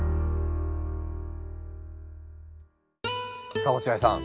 さあ落合さん